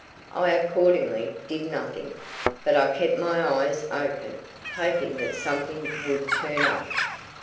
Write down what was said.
I accordingly did nothing, but I kept my eyes open, hoping that something would turn up.